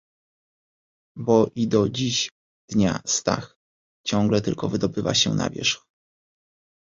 "bo i do dziś dnia Stach ciągle tylko wydobywa się na wierzch."